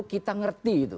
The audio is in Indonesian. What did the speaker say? kita ngerti itu